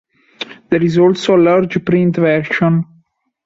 There is also a large print version.